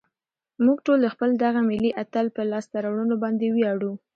موږ ټول د خپل دغه ملي اتل په لاسته راوړنو باندې ویاړو.